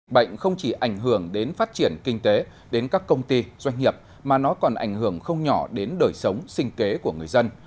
bệnh không chỉ ảnh hưởng đến phát triển kinh tế đến các công ty doanh nghiệp mà nó còn ảnh hưởng không nhỏ đến đời sống sinh kế của người dân